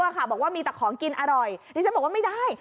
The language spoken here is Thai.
อยู่ภาพไหมว่ามีแต่ของกินอร่อยนี่ฉันต้องว่าไม่ได้